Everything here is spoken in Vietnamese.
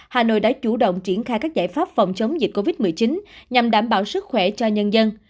hà nội đã chủ động triển khai các giải pháp phòng chống dịch covid một mươi chín nhằm đảm bảo sức khỏe cho nhân dân